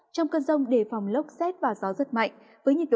trong cơn rông đề phòng lốc xét và gió rất mạnh